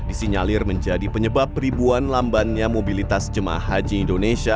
disinyalir menjadi penyebab ribuan lambannya mobilitas jemaah haji indonesia